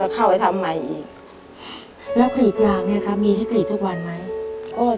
เช้ามาก็ต้องหุงหาทั้งหมดข้าวให้พ่อกับน้องกินกันก่อน